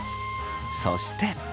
そして。